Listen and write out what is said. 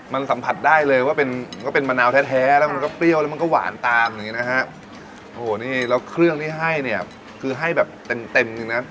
มันสัมผัสได้เลยว่าเป็นก็เป็นมะนาวแท้แท้แล้วมันก็เปรี้ยวแล้วมันก็หวานตามอย่างงี้นะฮะโอ้โหนี่แล้วเครื่องที่ให้เนี่ยคือให้แบบเต็มเต็มจริงนะ